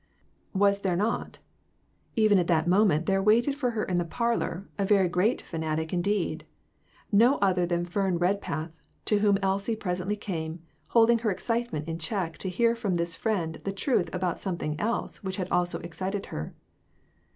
Was there not ? Even at that moment there waited for her in the parlor a very great "fanatic" indeed ; no other than Fern Redpath, to whom Elsie presently came, holding her excitement in check to hear from this friend the truth about something else which had also excited her.